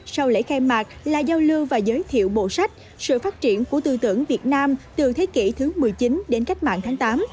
sau lễ khai mạc là giao lưu và giới thiệu bộ sách sự phát triển của tư tưởng việt nam từ thế kỷ thứ một mươi chín đến cách mạng tháng tám